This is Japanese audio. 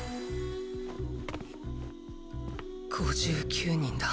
５９人だ！